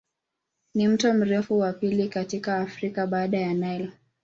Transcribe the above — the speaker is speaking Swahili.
Ni mto mrefu wa pili katika Afrika baada ya Nile.